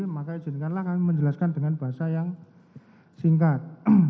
maka izinkanlah kami menjelaskan dengan bahasa yang singkat